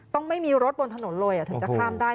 ไม่มีรถบนถนนเลยถึงจะข้ามได้